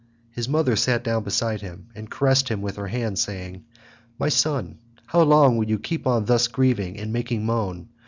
His mother sat down beside him and caressed him with her hand saying, "My son, how long will you keep on thus grieving and making moan?